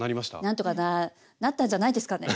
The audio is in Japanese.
なんとかなったんじゃないですかね。